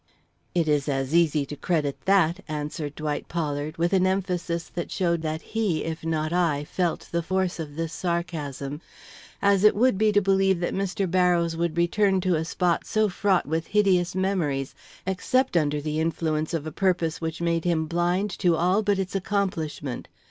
"It is as easy to credit that," answered Dwight Pollard, with an emphasis which showed that he, if not I, felt the force of this sarcasm, "as it would be to believe that Mr. Barrows would return to a spot so fraught with hideous memories, except under the influence of a purpose which made him blind to all but its accomplishment.